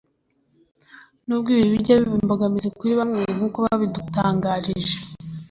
n’ubwo ibi bijya biba imbogamizi kuri bamwe nk’uko babidutangarije